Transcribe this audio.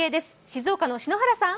静岡の篠原さん。